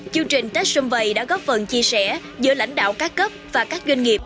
chương trình tết xuân vầy đã góp phần chia sẻ giữa lãnh đạo các cấp và các doanh nghiệp